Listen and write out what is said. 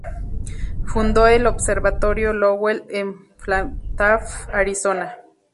Fundó el Observatorio Lowell en Flagstaff, Arizona.